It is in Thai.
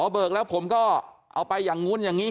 เบิกแล้วผมก็เอาไปอย่างนู้นอย่างนี้